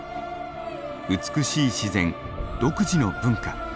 美しい自然独自の文化。